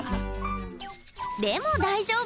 でも大丈夫！